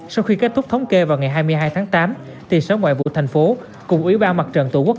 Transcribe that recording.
sau khi kết thúc thống kê vào ngày hai mươi hai tháng tám sở ngoại vụ thành phố cùng ủy ban mặt trận tổ quốc